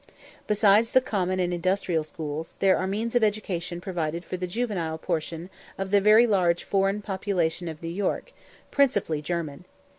Besides the common and industrial schools, there are means of education provided for the juvenile portion of the very large foreign population of New York, principally German.